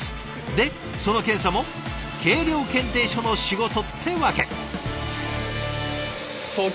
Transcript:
でその検査も計量検定所の仕事ってわけ。